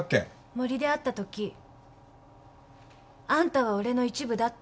森で会ったとき「あんたは俺の一部だ」って。